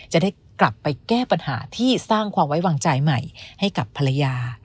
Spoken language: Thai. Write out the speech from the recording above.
จะได้กลับไปแก้ปัญหาที่สร้างความไว้วางใจใหม่ให้กับภรรยา